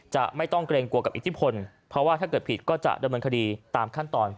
จะต้องเกรงกลัวกับอิทธิพลเพราะว่าถ้าเกิดผิดก็จะดำเนินคดีตามขั้นตอน